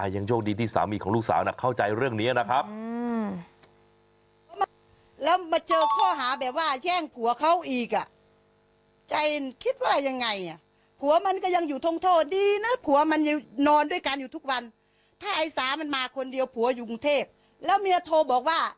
ยังโชคดีที่สามีของลูกสาวเข้าใจเรื่องนี้นะครับ